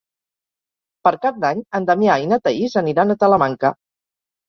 Per Cap d'Any en Damià i na Thaís aniran a Talamanca.